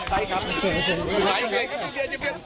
สามสอง